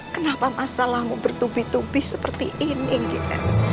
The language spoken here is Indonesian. kenapa masalahmu bertubi tubi seperti ini gitu